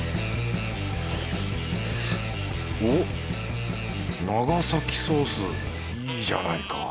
おっ長崎ソースいいじゃないか。